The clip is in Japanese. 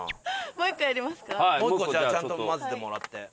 もう１個じゃあちゃんと混ぜてもらって。